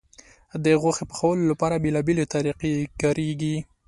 د غوښې پخولو لپاره بیلابیلې طریقې کارېږي.